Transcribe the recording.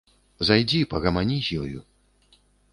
Зайдзі, пагамані з ёю.